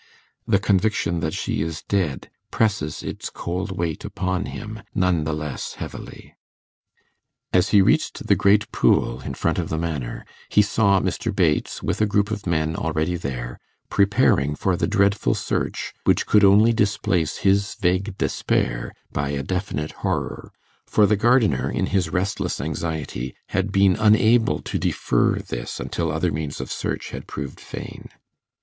The conviction that she is dead presses its cold weight upon him none the less heavily. As he reached the great pool in front of the Manor, he saw Mr. Bates, with a group of men already there, preparing for the dreadful search which could only displace his vague despair by a definite horror; for the gardener, in his restless anxiety, had been unable to defer this until other means of search had proved vain.